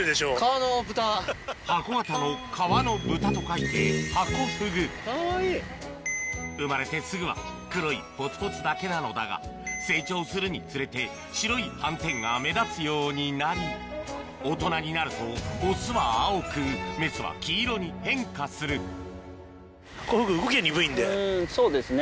箱形の河の豚と書いて生まれてすぐは黒いポツポツだけなのだが成長するにつれて白い斑点が目立つようになり大人になるとオスは青くメスは黄色に変化するそうですね。